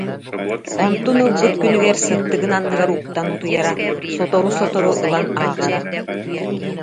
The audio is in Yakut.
Онтун ылбыт күнүгэр сыттыгын анныгар уктан утуйара, сотору-сотору ылан ааҕара